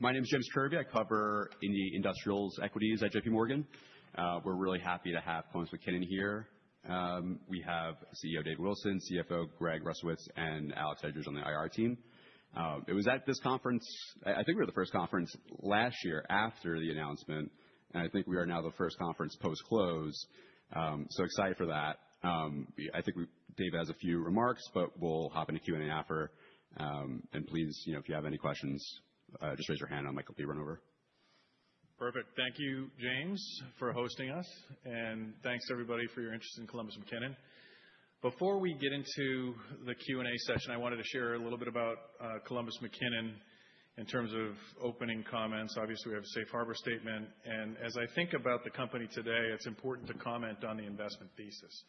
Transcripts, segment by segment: My name is James Kirby. I cover mid-cap industrials equities at JP Morgan. We're really happy to have Columbus McKinnon here. We have CEO Dave Wilson, CFO Greg Rustowicz, and Alex Eldredge on the IR team. It was at this conference. I think we were the first conference last year after the announcement, and I think we are now the first conference post-close. Excited for that. I think Dave has a few remarks, but we'll hop into Q&A after. Please, you know, if you have any questions, just raise your hand, a mic will be run over. Perfect. Thank you, James, for hosting us, and thanks everybody for your interest in Columbus McKinnon. Before we get into the Q&A session, I wanted to share a little bit about Columbus McKinnon in terms of opening comments. Obviously, we have a safe harbor statement. As I think about the company today, it's important to comment on the investment thesis.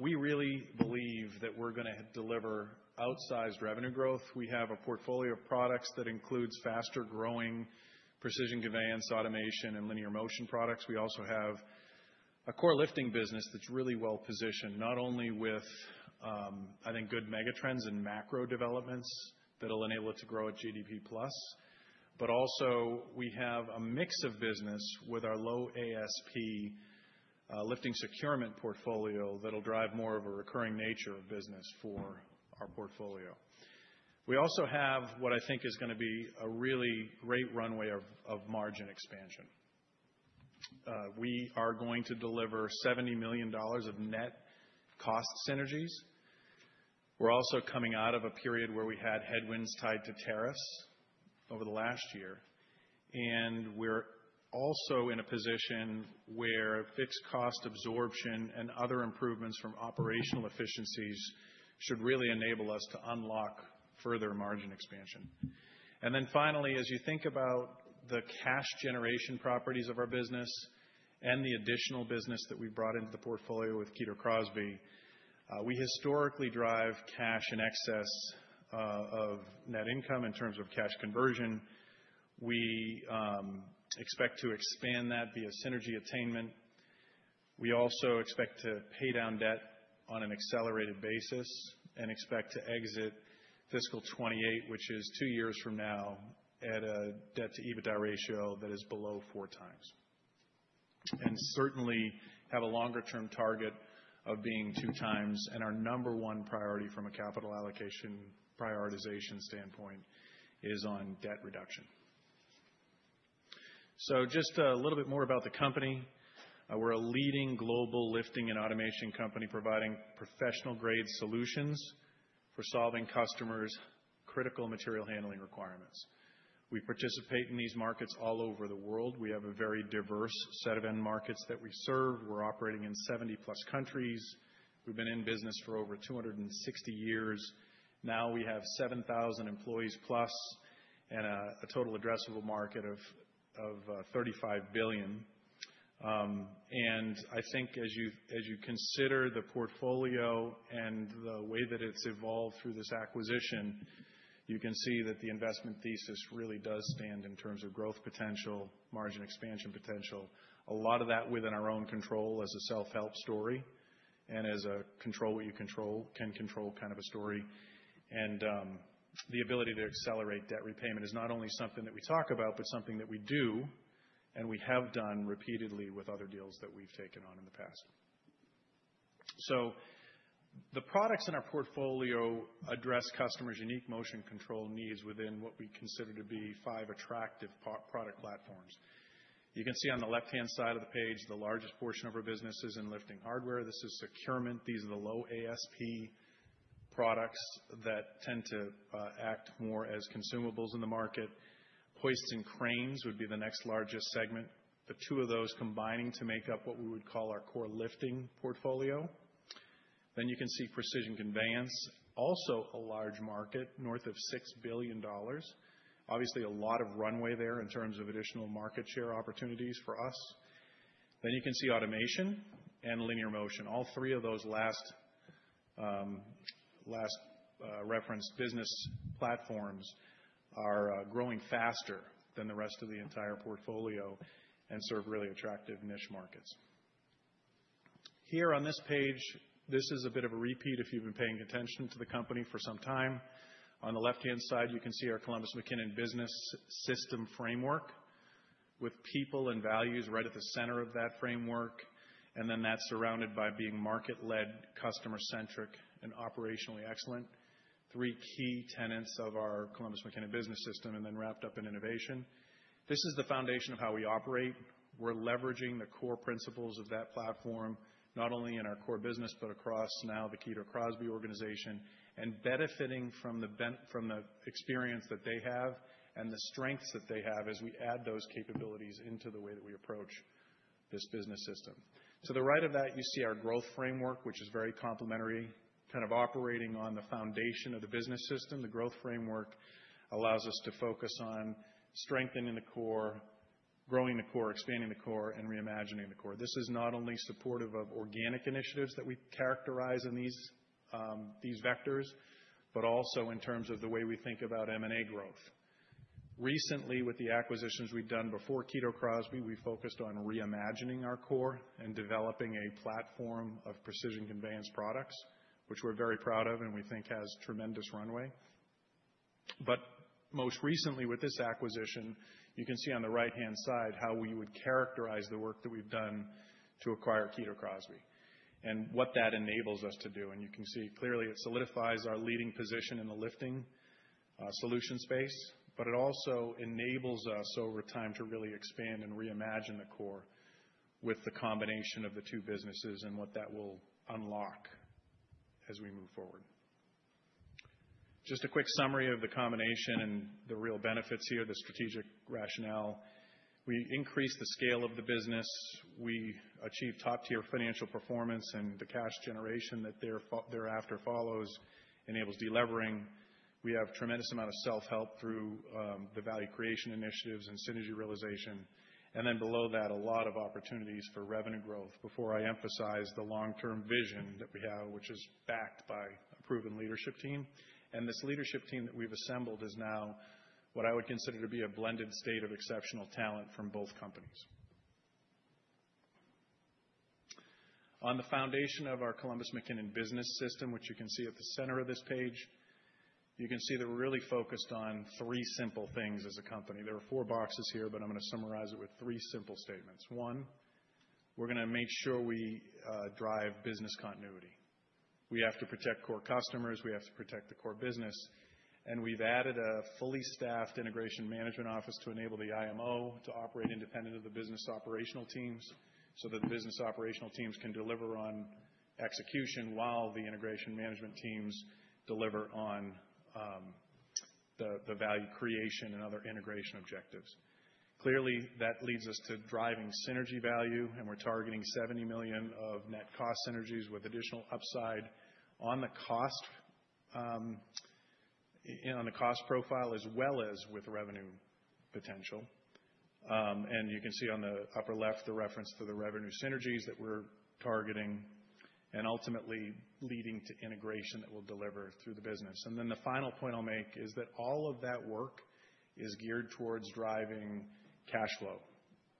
We really believe that we're gonna deliver outsized revenue growth. We have a portfolio of products that includes faster-growing precision conveyance, automation, and linear motion products. We also have a core lifting business that's really well-positioned, not only with, I think, good megatrends and macro developments that'll enable it to grow at GDP plus, but also we have a mix of business with our low ASP lifting securement portfolio that'll drive more of a recurring nature of business for our portfolio. We also have what I think is gonna be a really great runway of margin expansion. We are going to deliver $70 million of net cost synergies. We're also coming out of a period where we had headwinds tied to tariffs over the last year, and we're also in a position where fixed cost absorption and other improvements from operational efficiencies should really enable us to unlock further margin expansion. Then finally, as you think about the cash generation properties of our business and the additional business that we brought into the portfolio with Kito Crosby, we historically drive cash in excess of net income in terms of cash conversion. We expect to expand that via synergy attainment. We also expect to pay down debt on an accelerated basis and expect to exit fiscal 2028, which is two years from now, at a debt-to-EBITDA ratio that is below four times. Certainly have a longer-term target of being 2 times, and our number one priority from a capital allocation prioritization standpoint is on debt reduction. Just a little bit more about the company. We're a leading global lifting and automation company providing professional-grade solutions for solving customers' critical material handling requirements. We participate in these markets all over the world. We have a very diverse set of end markets that we serve. We're operating in 70+ countries. We've been in business for over 260 years. Now, we have 7,000 employees plus and a total addressable market of $35 billion. I think as you consider the portfolio and the way that it's evolved through this acquisition, you can see that the investment thesis really does stand in terms of growth potential, margin expansion potential. A lot of that within our own control as a self-help story and as a control what you control, can control kind of a story. The ability to accelerate debt repayment is not only something that we talk about, but something that we do and we have done repeatedly with other deals that we've taken on in the past. The products in our portfolio address customers' unique motion control needs within what we consider to be five attractive pro-product platforms. You can see on the left-hand side of the page, the largest portion of our business is in lifting hardware. This is securement. These are the low ASP products that tend to act more as consumables in the market. Hoists and cranes would be the next largest segment. The two of those combining to make up what we would call our core lifting portfolio. You can see precision conveyance, also a large market, north of $6 billion. Obviously, a lot of runway there in terms of additional market share opportunities for us. You can see automation and linear motion. All three of those last reference business platforms are growing faster than the rest of the entire portfolio and serve really attractive niche markets. Here on this page, this is a bit of a repeat if you've been paying attention to the company for some time. On the left-hand side, you can see our Columbus McKinnon business system framework with people and values right at the center of that framework, and then that's surrounded by being market-led, customer-centric, and operationally excellent. Three key tenets of our Columbus McKinnon business system, and then wrapped up in innovation. This is the foundation of how we operate. We're leveraging the core principles of that platform, not only in our core business, but across now the Kito Crosby organization and benefiting from the experience that they have and the strengths that they have as we add those capabilities into the way that we approach this business system. To the right of that, you see our growth framework, which is very complementary, kind of operating on the foundation of the business system. The growth framework allows us to focus on strengthening the core, growing the core, expanding the core, and reimagining the core. This is not only supportive of organic initiatives that we characterize in these vectors, but also in terms of the way we think about M&A growth. Recently, with the acquisitions we've done before Kito Crosby, we focused on reimagining our core and developing a platform of precision conveyance products, which we're very proud of and we think has tremendous runway. Most recently with this acquisition, you can see on the right-hand side how we would characterize the work that we've done to acquire Kito Crosby and what that enables us to do. You can see clearly it solidifies our leading position in the lifting solution space, but it also enables us over time to really expand and reimagine the core with the combination of the two businesses and what that will unlock as we move forward. Just a quick summary of the combination and the real benefits here, the strategic rationale. We increase the scale of the business. We achieve top-tier financial performance, and the cash generation that thereafter follows enables delevering. We have tremendous amount of self-help through the value creation initiatives and synergy realization. Then below that, a lot of opportunities for revenue growth before I emphasize the long-term vision that we have, which is backed by a proven leadership team. This leadership team that we've assembled is now what I would consider to be a blended state of exceptional talent from both companies. On the foundation of our Columbus McKinnon business system, which you can see at the center of this page, you can see that we're really focused on three simple things as a company. There are four boxes here, but I'm gonna summarize it with three simple statements. One, we're gonna make sure we drive business continuity. We have to protect core customers. We have to protect the core business, and we've added a fully staffed integration management office to enable the IMO to operate independent of the business operational teams so that the business operational teams can deliver on execution while the integration management teams deliver on the value creation and other integration objectives. Clearly, that leads us to driving synergy value, and we're targeting $70 million of net cost synergies with additional upside on the cost, on the cost profile as well as with revenue potential. You can see on the upper left the reference to the revenue synergies that we're targeting and ultimately leading to integration that we'll deliver through the business. Then the final point I'll make is that all of that work is geared towards driving cash flow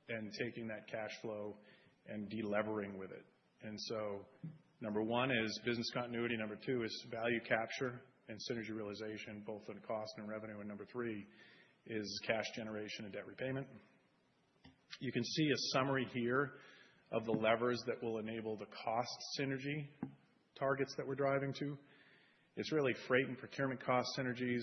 and taking that cash flow and delevering with it. Number one is business continuity. Number two is value capture and synergy realization, both in cost and revenue. Number three is cash generation and debt repayment. You can see a summary here of the levers that will enable the cost synergy targets that we're driving to. It's really freight and procurement cost synergies.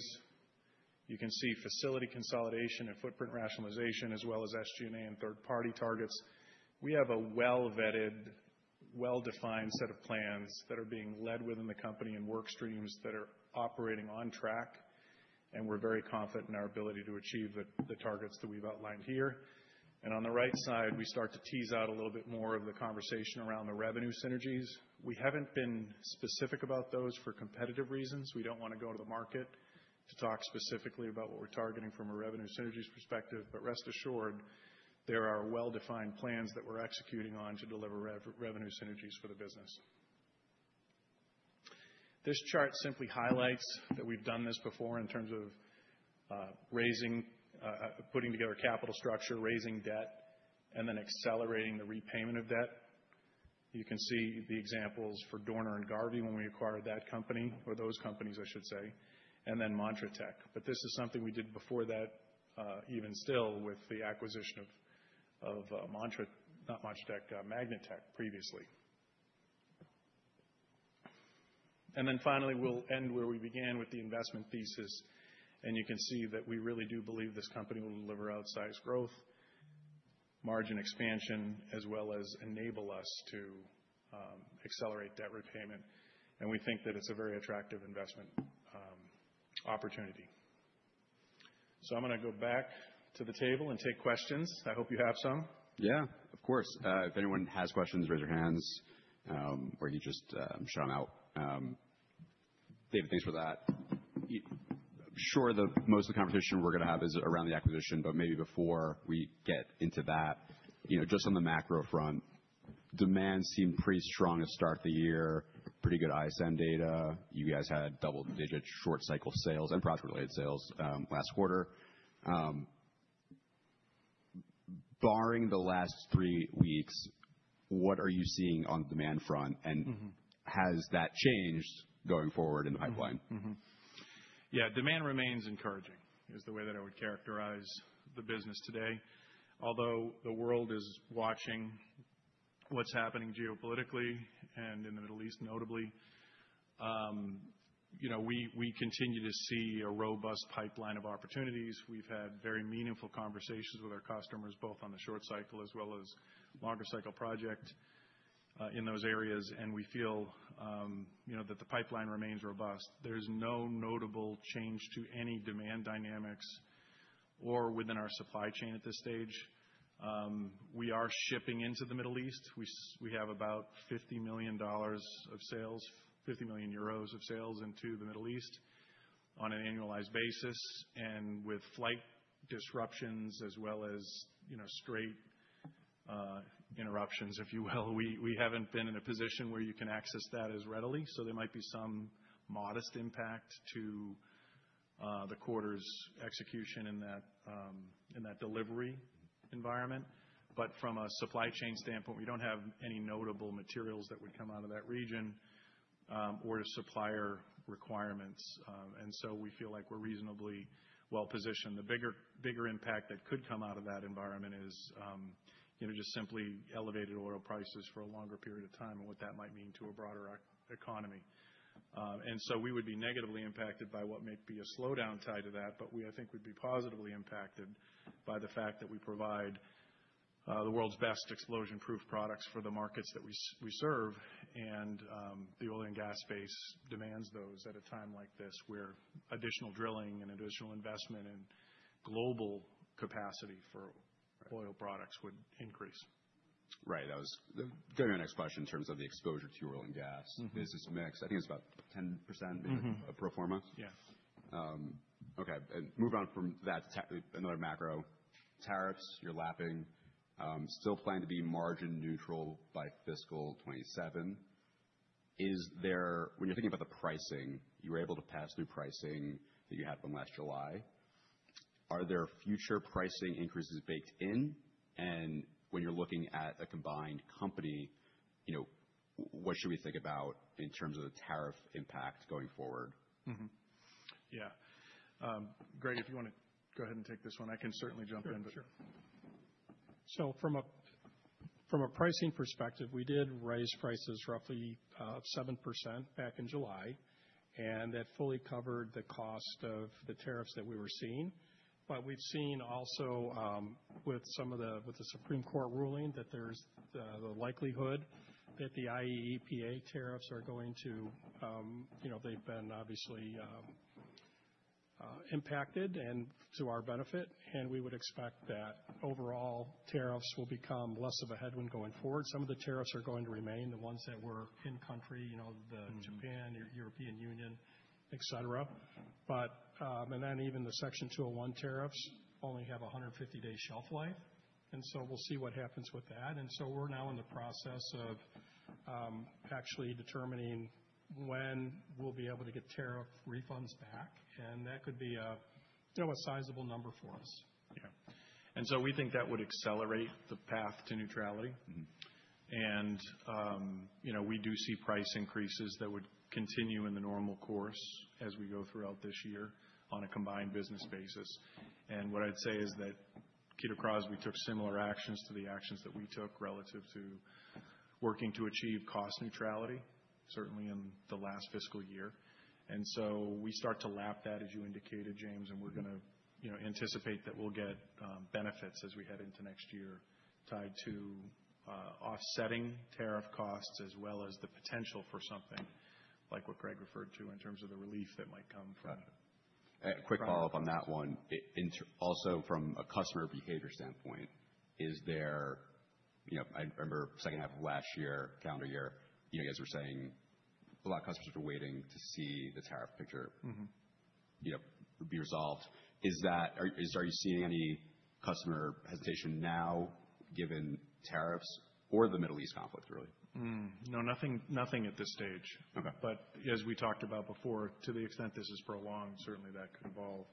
You can see facility consolidation and footprint rationalization as well as SG&A and third-party targets. We have a well-vetted, well-defined set of plans that are being led within the company and work streams that are operating on track, and we're very confident in our ability to achieve the targets that we've outlined here. On the right side, we start to tease out a little bit more of the conversation around the revenue synergies. We haven't been specific about those for competitive reasons. We don't wanna go to the market to talk specifically about what we're targeting from a revenue synergies perspective. Rest assured, there are well-defined plans that we're executing on to deliver revenue synergies for the business. This chart simply highlights that we've done this before in terms of raising, putting together capital structure, raising debt, and then accelerating the repayment of debt. You can see the examples for Dorner and Garvey when we acquired that company or those companies, I should say, and then Montratec. This is something we did before that, even still with the acquisition of Magnetek previously. Finally, we'll end where we began with the investment thesis, and you can see that we really do believe this company will deliver outsized growth, margin expansion, as well as enable us to accelerate debt repayment. We think that it's a very attractive investment opportunity. I'm gonna go back to the table and take questions. I hope you have some. Yeah, of course. If anyone has questions, raise your hands, or you just shout them out. David, thanks for that. I'm sure the most of the conversation we're gonna have is around the acquisition, but maybe before we get into that, you know, just on the macro front, demand seemed pretty strong to start the year, pretty good ISM data. You guys had double-digit short cycle sales and profit-related sales last quarter. Barring the last three weeks, what are you seeing on demand front? Has that changed going forward in the pipeline? Demand remains encouraging is the way that I would characterize the business today. Although the world is watching what's happening geopolitically and in the Middle East notably, you know, we continue to see a robust pipeline of opportunities. We've had very meaningful conversations with our customers, both on the short cycle as well as longer cycle project in those areas, and we feel, you know, that the pipeline remains robust. There's no notable change to any demand dynamics or within our supply chain at this stage. We are shipping into the Middle East. We have about $50 million of sales, 50 million euros of sales into the Middle East on an annualized basis. With flight disruptions as well as, you know, Strait of Hormuz interruptions, if you will. We haven't been in a position where you can access that as readily. There might be some modest impact to the quarter's execution in that delivery environment. From a supply chain standpoint, we don't have any notable materials that would come out of that region, or supplier requirements. We feel like we're reasonably well positioned. The bigger impact that could come out of that environment is, you know, just simply elevated oil prices for a longer period of time and what that might mean to a broader economy. We would be negatively impacted by what might be a slowdown side to that. We, I think, would be positively impacted by the fact that we provide the world's best explosion-proof products for the markets that we serve. The oil and gas space demands those at a time like this, where additional drilling and additional investment and global capacity for oil products would increase. Right. That was, I'm sure, the next question in terms of the exposure to oil and gas. Business mix, I think it's about 10% of performance? Yes. Okay. Move on from that to tech, another macro. Tariffs, you're lapping, still plan to be margin neutral by fiscal 2027. When you're thinking about the pricing, you were able to pass through pricing that you had from last July. Are there future pricing increases baked in? When you're looking at a combined company, you know, what should we think about in terms of the tariff impact going forward? Yeah. Greg, if you wanna go ahead and take this one, I can certainly jump in. Sure. From a pricing perspective, we did raise prices roughly 7% back in July, and that fully covered the cost of the tariffs that we were seeing. We've seen also with the Supreme Court ruling that there's the likelihood that the IEEPA tariffs are going to, you know, they've been obviously impacted and to our benefit, and we would expect that overall tariffs will become less of a headwind going forward. Some of the tariffs are going to remain the ones that were in country, you know, the Japan, European Union, et cetera. Even the Section 201 tariffs only have a 150-day shelf life, and so we'll see what happens with that. We're now in the process of actually determining when we'll be able to get tariff refunds back, and that could be a, you know, a sizable number for us. Yeah. We think that would accelerate the path to neutrality. You know, we do see price increases that would continue in the normal course as we go throughout this year on a combined business basis. What I'd say is that across, we took similar actions to the actions that we took relative to working to achieve cost neutrality, certainly in the last fiscal year. We start to lap that, as you indicated, James, and we're gonna, you know, anticipate that we'll get benefits as we head into next year tied to offsetting tariff costs as well as the potential for something like what Greg referred to in terms of the relief that might come from- Gotcha. A quick follow-up on that one. Also from a customer behavior standpoint, is there? You know, I remember second half of last year, calendar year, you guys were saying a lot of customers were waiting to see the tariff picture, you know, be resolved. Are you seeing any customer hesitation now given tariffs or the Middle East conflict, really? No, nothing at this stage. Okay. As we talked about before, to the extent this is prolonged, certainly that could evolve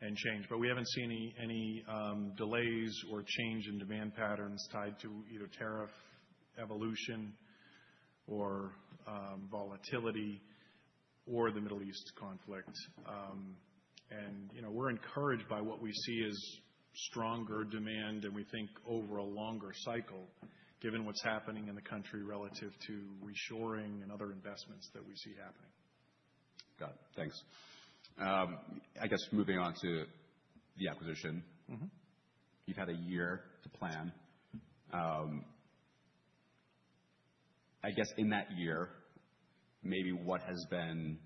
and change. We haven't seen any delays or change in demand patterns tied to either tariff evolution or volatility or the Middle East conflict. You know, we're encouraged by what we see as stronger demand than we think over a longer cycle, given what's happening in the country relative to reshoring and other investments that we see happening. Got it. Thanks. I guess moving on to the acquisition. You've had a year to plan. I guess in that year, maybe what has been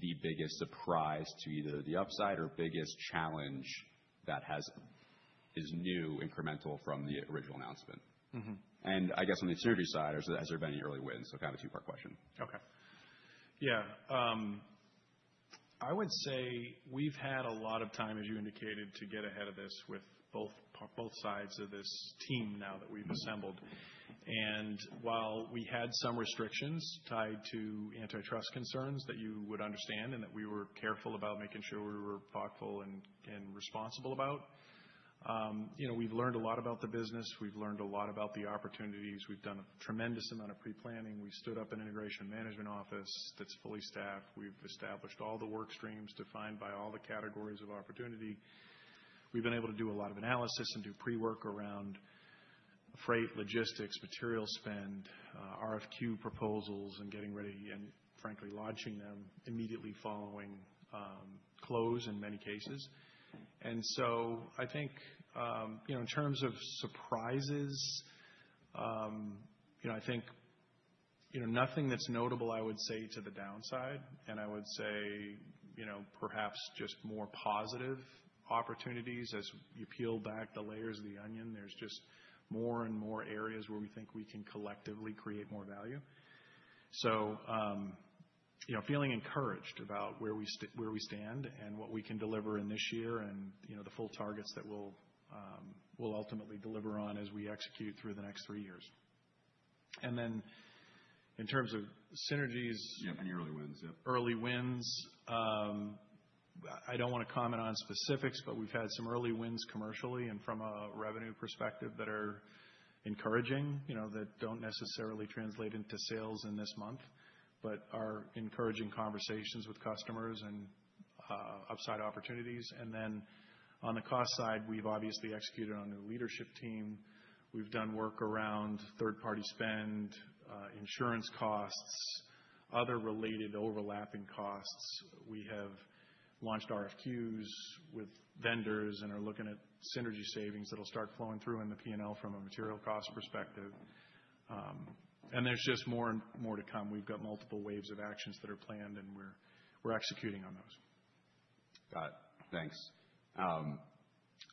the biggest surprise to either the upside or biggest challenge that is new incremental from the original announcement? I guess on the synergy side, has there been any early wins? Kind of a two-part question. Okay. Yeah. I would say we've had a lot of time, as you indicated, to get ahead of this with both sides of this team now that we've assembled. While we had some restrictions tied to antitrust concerns that you would understand, and that we were careful about making sure we were thoughtful and responsible about, you know, we've learned a lot about the business. We've learned a lot about the opportunities. We've done a tremendous amount of pre-planning. We stood up an integration management office that's fully staffed. We've established all the work streams defined by all the categories of opportunity. We've been able to do a lot of analysis and do pre-work around freight, logistics, material spend, RFQ proposals, and getting ready and frankly, launching them immediately following close in many cases. I think, you know, in terms of surprises, you know, I think, you know, nothing that's notable, I would say, to the downside. I would say, you know, perhaps just more positive opportunities as you peel back the layers of the onion. There's just more and more areas where we think we can collectively create more value. You know, feeling encouraged about where we stand and what we can deliver in this year and, you know, the full targets that we'll ultimately deliver on as we execute through the next three years. In terms of synergies-- Yeah, any early wins. Yeah. Early wins, I don't wanna comment on specifics, but we've had some early wins commercially and from a revenue perspective that are encouraging, you know, that don't necessarily translate into sales in this month, but are encouraging conversations with customers and upside opportunities. On the cost side, we've obviously executed on a new leadership team. We've done work around third-party spend, insurance costs, other related overlapping costs. We have launched RFQs with vendors and are looking at synergy savings that'll start flowing through in the P&L from a material cost perspective. There's just more and more to come. We've got multiple waves of actions that are planned, and we're executing on those. Got it. Thanks.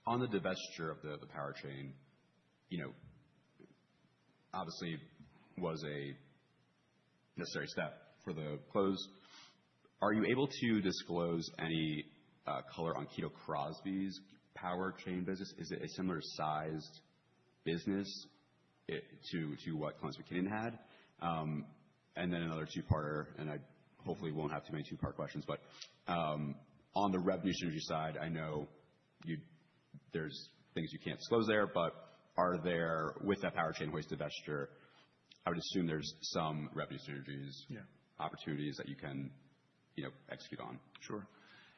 On the divestiture of the powertrain, you know, obviously was a necessary step for the close. Are you able to disclose any color on Kito Crosby's powertrain business? Is it a similar sized business to what Columbus McKinnon had? Another two-parter, and I hopefully won't have too many two-part questions, but on the revenue synergy side, I know you, there's things you can't disclose there, but are there, with that powertrain divestiture, I would assume there's some revenue synergies. Yeah. Opportunities that you can, you know, execute on. Sure.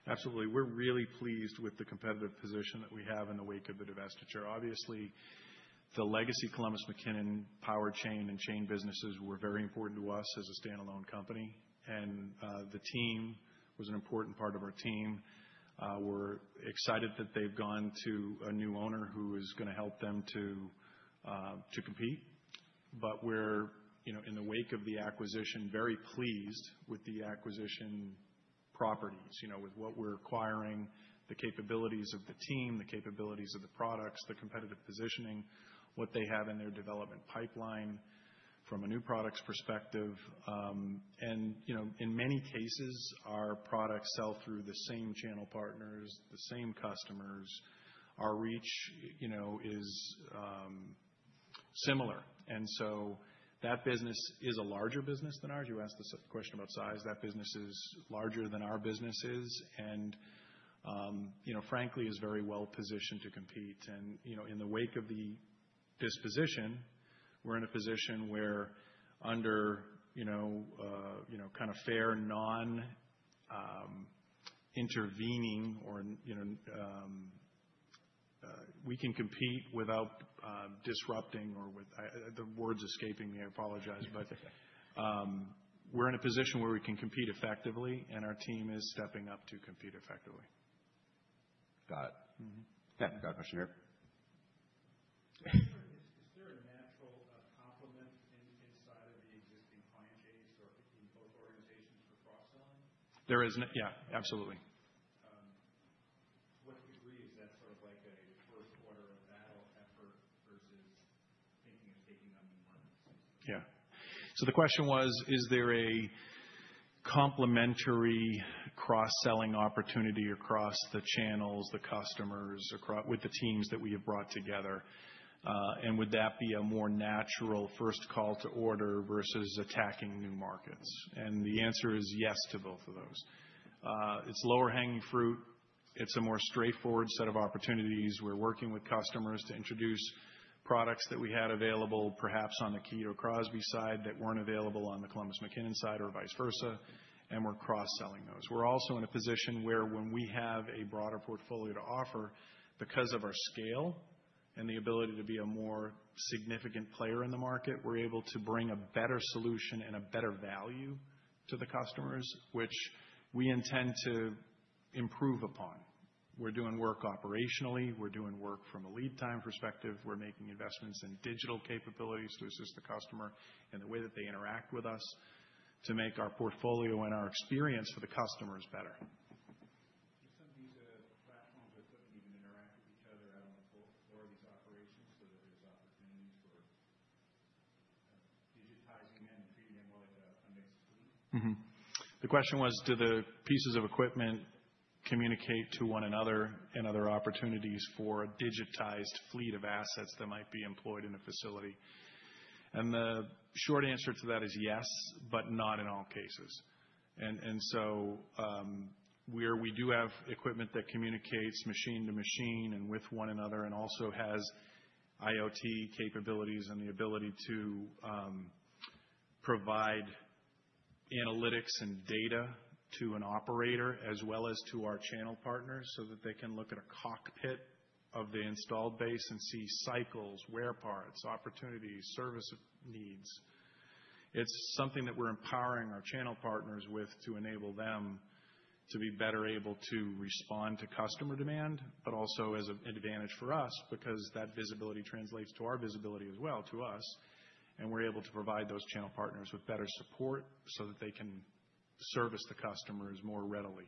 Absolutely. We're really pleased with the competitive position that we have in the wake of the divestiture. Obviously, the legacy Columbus McKinnon power chain and chain businesses were very important to us as a standalone company. The team was an important part of our team. We're excited that they've gone to a new owner who is gonna help them to compete. But we're, you know, in the wake of the acquisition, very pleased with the acquisition properties, you know, with what we're acquiring, the capabilities of the team, the capabilities of the products, the competitive positioning, what they have in their development pipeline from a new products perspective. You know, in many cases, our products sell through the same channel partners, the same customers. Our reach, you know, is similar. That business is a larger business than ours. You asked the size question about size. That business is larger than our business is, and you know, frankly, is very well positioned to compete. You know, in the wake of the disposition, we're in a position where under you know you know kind of fair, non-intervening or you know we can compete without disrupting. The word's escaping me. I apologize. We're in a position where we can compete effectively, and our team is stepping up to compete effectively. Got it. Yeah. Got a question here. Is there a natural complement inside of the existing client base or in both organizations for cross-selling? Yeah, absolutely. What degree is that sort of like a first quarter of battle effort versus thinking of taking on new markets? Yeah. The question was, is there a complementary cross-selling opportunity across the channels, the customers, with the teams that we have brought together? Would that be a more natural first call to order versus attacking new markets? The answer is yes to both of those. It's lower hanging fruit. It's a more straightforward set of opportunities. We're working with customers to introduce products that we had available, perhaps on the Kito Crosby side that weren't available on the Columbus McKinnon side, or vice versa, and we're cross-selling those. We're also in a position where when we have a broader portfolio to offer, because of our scale and the ability to be a more significant player in the market, we're able to bring a better solution and a better value to the customers, which we intend to improve upon. We're doing work operationally. We're doing work from a lead time perspective. We're making investments in digital capabilities to assist the customer in the way that they interact with us to make our portfolio and our experience for the customers better. Do some of these platforms or equipment even interact with each other out on the floor of these operations so that there's opportunity for digitizing them and treating them more like a mixed fleet? The question was, do the pieces of equipment communicate to one another and other opportunities for a digitized fleet of assets that might be employed in a facility? The short answer to that is yes, but not in all cases. We do have equipment that communicates machine to machine and with one another and also has IoT capabilities and the ability to provide analytics and data to an operator as well as to our channel partners, so that they can look at a cockpit of the installed base and see cycles, wear parts, opportunities, service needs. It's something that we're empowering our channel partners with to enable them to be better able to respond to customer demand, but also as an advantage for us because that visibility translates to our visibility as well to us, and we're able to provide those channel partners with better support so that they can service the customers more readily.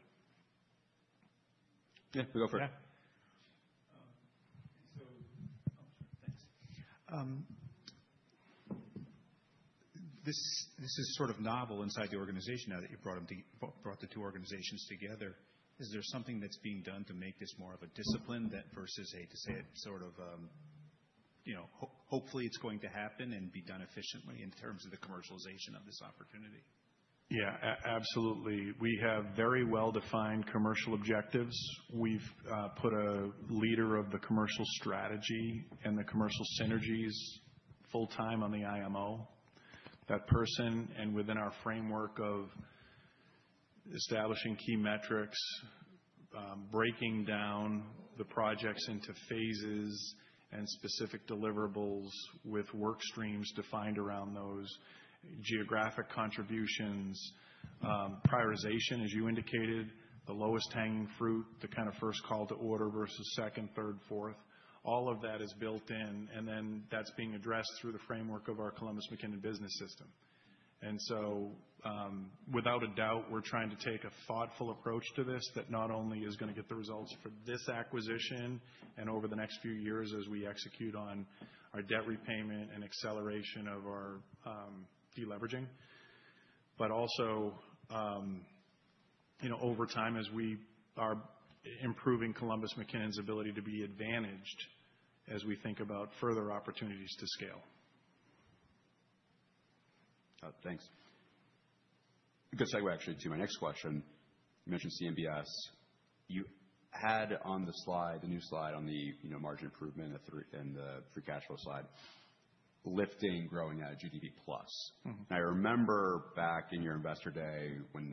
Yeah. Go for it. This is sort of novel inside the organization now that you've brought the two organizations together. Is there something that's being done to make this more of a discipline that versus a, to say, sort of, you know, hopefully it's going to happen and be done efficiently in terms of the commercialization of this opportunity? Yeah. Absolutely. We have very well-defined commercial objectives. We've put a leader of the commercial strategy and the commercial synergies full-time on the IMO. That person, and within our framework of establishing key metrics, breaking down the projects into phases and specific deliverables with work streams defined around those geographic contributions, prioritization, as you indicated, the lowest hanging fruit, the kind of first call to order versus second, third, fourth. All of that is built in, and then that's being addressed through the framework of our Columbus McKinnon Business System. Without a doubt, we're trying to take a thoughtful approach to this that not only is gonna get the results for this acquisition and over the next few years as we execute on our debt repayment and acceleration of our deleveraging, but also, you know, over time as we are improving Columbus McKinnon's ability to be advantaged as we think about further opportunities to scale. Thanks. Good segue actually to my next question. You mentioned CMBS. You had on the slide, the new slide on the, you know, margin improvement, and the free cash flow slide, lifting growing at a GDP plus. Now, I remember back in your investor day. What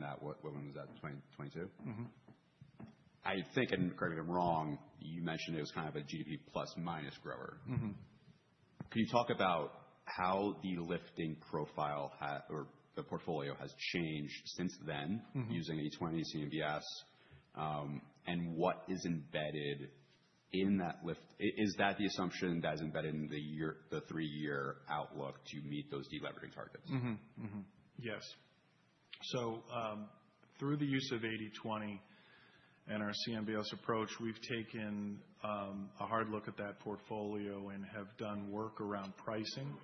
when was that? 2020, 2022? I think, and correct me if I'm wrong, you mentioned it was kind of a GDP plus minus grower. Can you talk about how the lifting profile or the portfolio has changed since then using 80/20 CMBS, and what is embedded in that lift? Is that the assumption that is embedded in the year, the three-year outlook to meet those deleveraging targets? Through the use of 80/20 and our CMBS approach, we've taken a hard look at that portfolio and have done work around pricing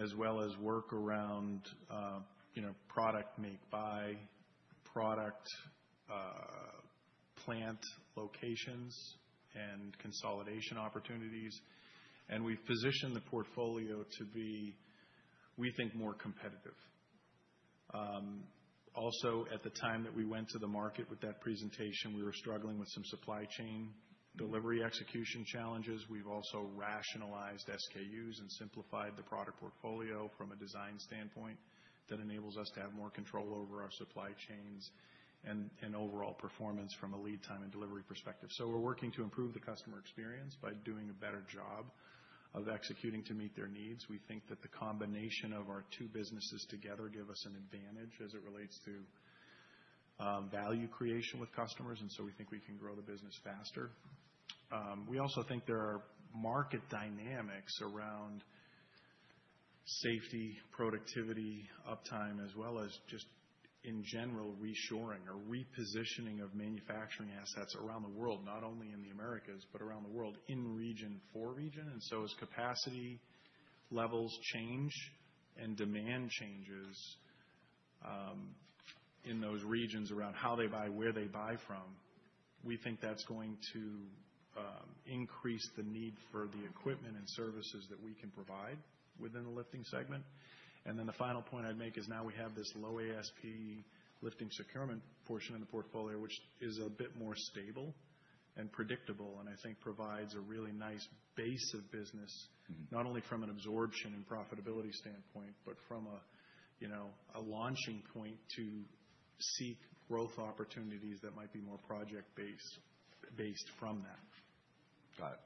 as well as work around, you know, product make-buy, product, plant locations and consolidation opportunities. We've positioned the portfolio to be, we think, more competitive. Also, at the time that we went to the market with that presentation, we were struggling with some supply chain delivery execution challenges. We've also rationalized SKUs and simplified the product portfolio from a design standpoint that enables us to have more control over our supply chains and overall performance from a lead time and delivery perspective. We're working to improve the customer experience by doing a better job of executing to meet their needs. We think that the combination of our two businesses together give us an advantage as it relates to value creation with customers, and so we think we can grow the business faster. We also think there are market dynamics around safety, productivity, uptime, as well as just in general reshoring or repositioning of manufacturing assets around the world, not only in the Americas, but around the world in region, for region. As capacity levels change and demand changes in those regions around how they buy, where they buy from, we think that's going to increase the need for the equipment and services that we can provide within the lifting segment. The final point I'd make is now we have this low ASP lifting securement portion of the portfolio, which is a bit more stable and predictable, and I think provides a really nice base of business. Not only from an absorption and profitability standpoint, but from a, you know, a launching point to seek growth opportunities that might be more project-based from that. Got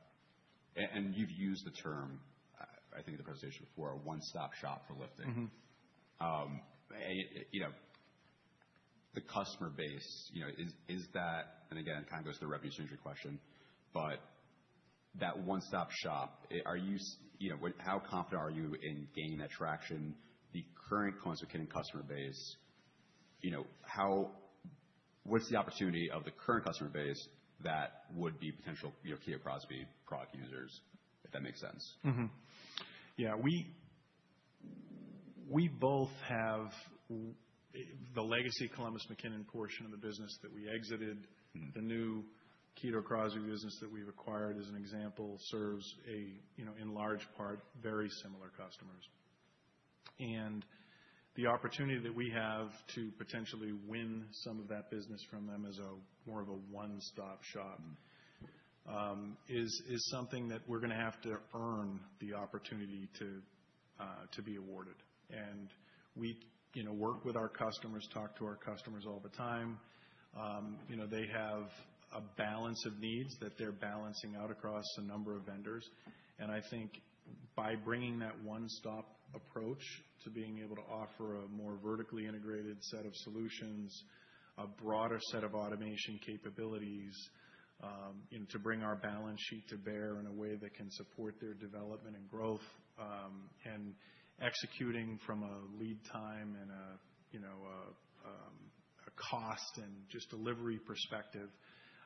it. You've used the term, I think in the presentation before, a one-stop shop for lifting. You know, the customer base, you know, is that. Again, it kind of goes to the revenue synergy question. But that one-stop shop, how confident are you in gaining that traction? The current Columbus McKinnon customer base, you know, what's the opportunity of the current customer base that would be potential, you know, Kito Crosby product users, if that makes sense? We both have the legacy Columbus McKinnon portion of the business that we exited. The new Kito Crosby business that we've acquired, as an example, serves a, you know, in large part, very similar customers. The opportunity that we have to potentially win some of that business from them as a, more of a one-stop shop, is something that we're gonna have to earn the opportunity to be awarded. We, you know, work with our customers, talk to our customers all the time. You know, they have a balance of needs that they're balancing out across a number of vendors. I think by bringing that one-stop approach to being able to offer a more vertically integrated set of solutions, a broader set of automation capabilities, and to bring our balance sheet to bear in a way that can support their development and growth, and executing from a lead time and, you know, a cost and just delivery perspective,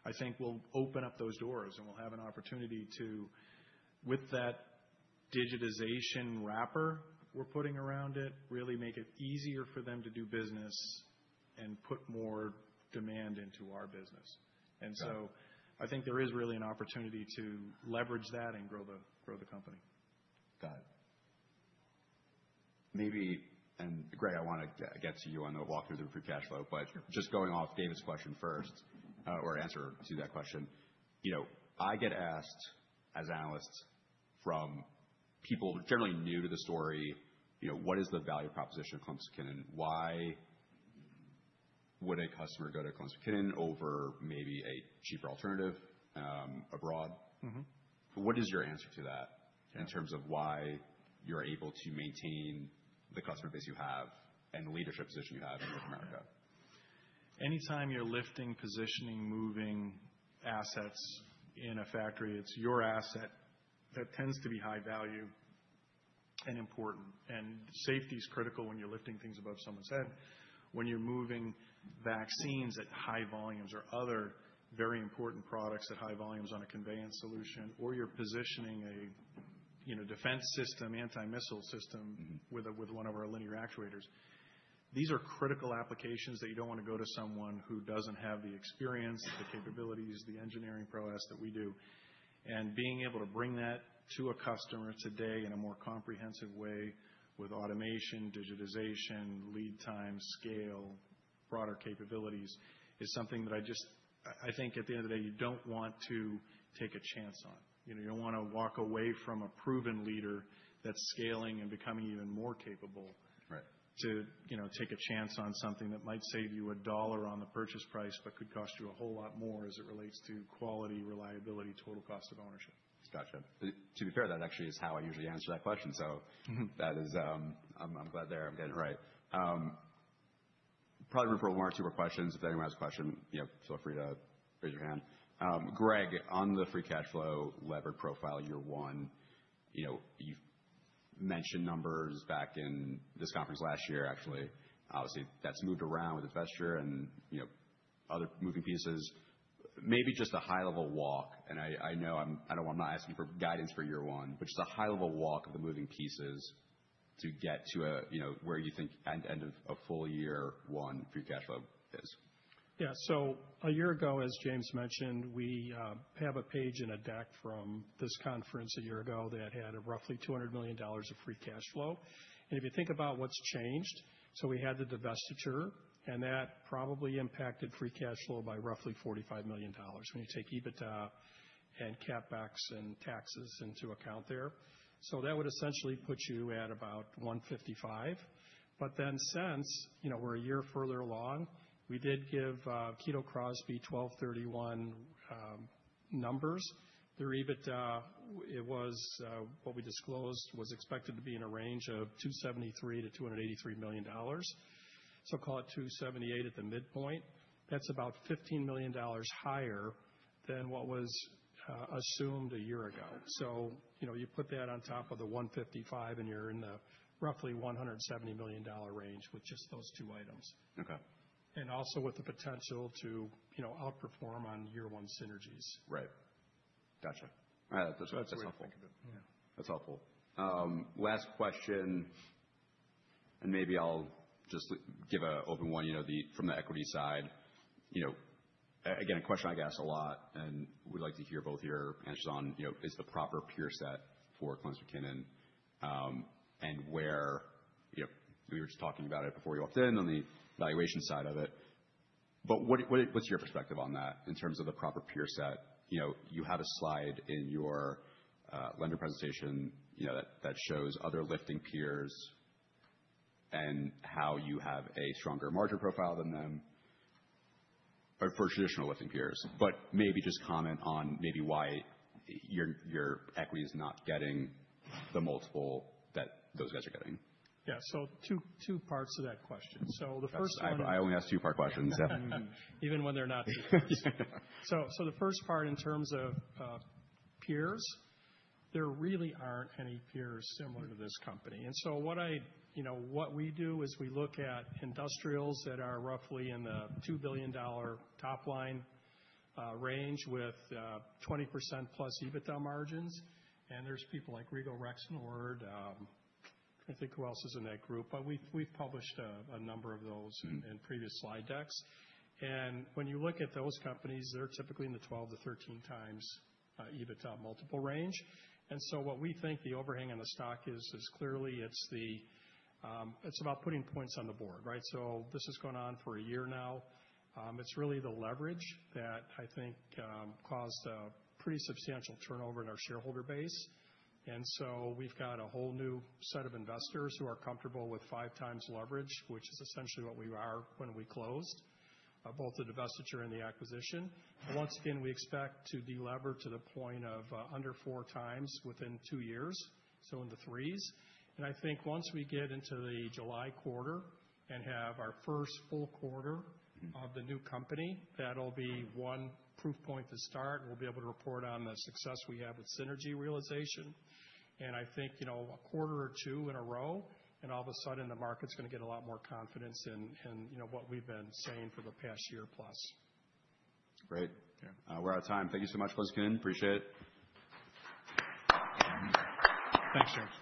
I think we'll open up those doors and we'll have an opportunity to, with that digitization wrapper we're putting around it really make it easier for them to do business and put more demand into our business. Got it. I think there is really an opportunity to leverage that and grow the company. Got it. Maybe, and Greg, I wanna get to you on the walk-through of free cash flow. Sure. But just going off David's question first, or answer to that question. You know, I get asked, as analysts, from people generally new to the story, you know, what is the value proposition of Columbus McKinnon? Why would a customer go to Columbus McKinnon over maybe a cheaper alternative, abroad? What is your answer to that? Yeah. In terms of why you're able to maintain the customer base you have and the leadership position you have in North America? Anytime you're lifting, positioning, moving assets in a factory, it's your asset that tends to be high value and important. Safety is critical when you're lifting things above someone's head, when you're moving vaccines at high volumes or other very important products at high volumes on a conveyance solution, or you're positioning a, you know, defense system, anti-missile system. With one of our linear actuators. These are critical applications that you don't wanna go to someone who doesn't have the experience, the capabilities, the engineering prowess that we do. Being able to bring that to a customer today in a more comprehensive way with automation, digitization, lead time, scale, broader capabilities, is something that I just I think at the end of the day, you don't want to take a chance on. You know, you don't wanna walk away from a proven leader that's scaling and becoming even more capable. Right. Not to, you know, take a chance on something that might save you a dollar on the purchase price, but could cost you a whole lot more as it relates to quality, reliability, total cost of ownership. Gotcha. To be fair, that actually is how I usually answer that question. I'm glad that I'm getting it right. Probably room for one or two more questions. If anyone has a question, you know, feel free to raise your hand. Greg, on the free cash flow lever profile year one, you know, you've mentioned numbers back in this conference last year, actually. Obviously, that's moved around with divestiture and, you know, other moving pieces. Maybe just a high level walk, and I know I'm not asking for guidance for year one, but just a high level walk of the moving pieces to get to a, you know, where you think end of a full year one free cash flow is. Yeah. A year ago, as James mentioned, we have a page and a deck from this conference a year ago that had roughly $200 million of free cash flow. If you think about what's changed, we had the divestiture, and that probably impacted free cash flow by roughly $45 million when you take EBITDA and CapEx and taxes into account there. That would essentially put you at about $155 million. Since, you know, we're a year further along, we did give Kito Crosby 12/31 numbers. Their EBITDA, what we disclosed, was expected to be in a range of $273 million-$283 million. Call it $278 million at the midpoint. That's about $15 million higher than what was assumed a year ago. You know, you put that on top of the 155, and you're in the roughly $170 million range with just those two items. Okay. Also with the potential to, you know, outperform on year-one synergies. Right. Gotcha. All right. That's helpful. That's the way to think of it. Yeah. That's helpful. Last question, and maybe I'll just give an open one, you know, from the equity side. You know, again, a question I get asked a lot, and we'd like to hear both your takes on, you know, is the proper peer set for Columbus McKinnon, and where, you know, we were just talking about it before you walked in on the valuation side of it. But what's your perspective on that in terms of the proper peer set? You know, you had a slide in your lender presentation, you know, that shows other lifting peers and how you have a stronger margin profile than them. But for traditional lifting peers, maybe just comment on why your equity is not getting the multiple that those guys are getting. Yeah. Two parts to that question. The first one-- I only ask two-part questions. Yeah. Even when they're not two parts. The first part in terms of peers, there really aren't any peers similar to this company. What I, you know, what we do is we look at industrials that are roughly in the $2 billion top line range with 20%+ EBITDA margins. There's people like Regal Rexnord. I think who else is in that group? We've published a number of those. In previous slide decks. When you look at those companies, they're typically in the 12-13 times EBITDA multiple range. What we think the overhang on the stock is clearly it's about putting points on the board, right? This has gone on for a year now. It's really the leverage that I think caused a pretty substantial turnover in our shareholder base. We've got a whole new set of investors who are comfortable with five times leverage, which is essentially what we are when we closed both the divestiture and the acquisition. Once again, we expect to delever to the point of under four times within two years, so in the threes. I think once we get into the July quarter and have our first full quarter. Of the new company, that'll be one proof point to start. We'll be able to report on the success we have with synergy realization. I think, you know, a quarter or two in a row, and all of a sudden the market's gonna get a lot more confidence in, you know, what we've been saying for the past year plus. Great. Yeah. We're out of time. Thank you so much, once again. Appreciate it. Thanks, James.